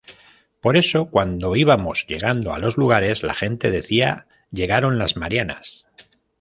Por eso, cuando íbamos llegando a los lugares, la gente decía: ¿Llegaron las Marianas?